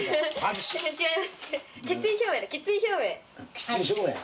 キッチン証明？